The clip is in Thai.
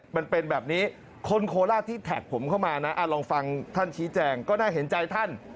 มันเป็นแบบนี้คนโคราชที่แท็กผมเข้ามานะลองฟังท่านชี้แจงก็น่าเห็นใจท่าน